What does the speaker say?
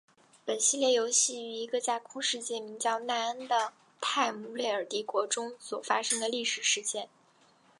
本系列游戏于一个架空世界名叫奈恩的泰姆瑞尔帝国中所发生的历史事件。